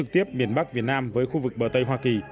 điện bắc việt nam với khu vực bờ tây hoa kỳ